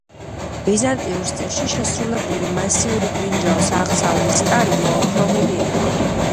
ბიზანტიურ სტილში შესრულებული მასიური ბრინჯაოს აღსავლის კარი მოოქროვილი იყო.